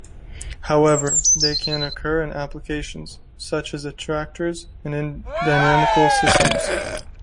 However, they can occur in applications, such as attractors in dynamical systems.